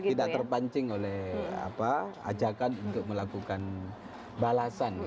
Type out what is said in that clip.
tidak terpancing oleh ajakan untuk melakukan balasan